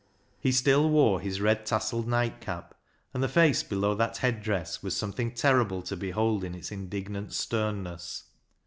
He still wore his red tasselled nightcap, and the face below that headdress was something terrible to behold in its indignant sternness.